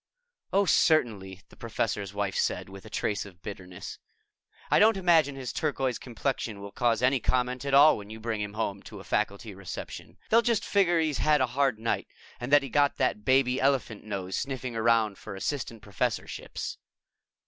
"Oh, certainly," the Professor's Wife said with a trace of bitterness. "I don't imagine his turquoise complexion will cause any comment at all when you bring him to a faculty reception. They'll just figure he's had a hard night and that he got that baby elephant nose sniffing around for assistant professorships."